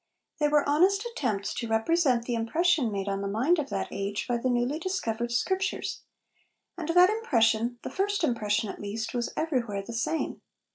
They were honest attempts to represent the impression made on the mind of that age by the newly discovered Scriptures, and that impression the first impression at least was everywhere the same.